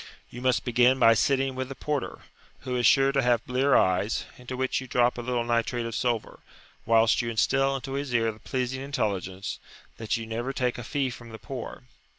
You must begin by sitting with the porter, who is sure to have blear eyes, into which you drop a little nitrate of silver, whilst you instil into his ear the pleasing intelligence that you never take a fee from the poor.